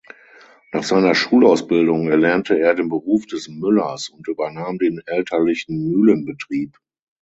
Nach seiner Schulausbildung erlernte er den Beruf des Müllers und übernahm den elterlichen Mühlenbetrieb.